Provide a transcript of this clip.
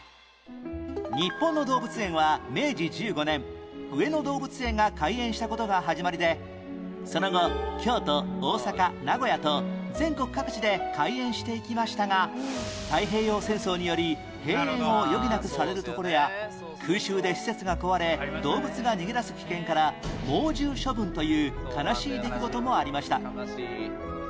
日本の動物園は明治１５年上野動物園が開園した事が始まりでその後京都大阪名古屋と全国各地で開園していきましたが太平洋戦争により閉園を余儀なくされるところや空襲で施設が壊れ動物が逃げ出す危険から猛獣処分という悲しい出来事もありました